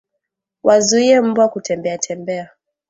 Wazuie mbwa kutembeatembea